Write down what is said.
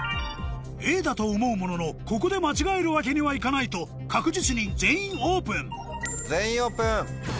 Ａだと思うもののここで間違えるわけにはいかないと確実に「全員オープン」全員オープン！